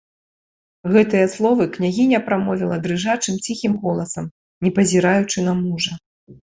Гэтыя словы княгіня прамовіла дрыжачым ціхім голасам, не пазіраючы на мужа.